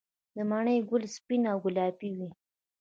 د مڼې ګل سپین او ګلابي وي؟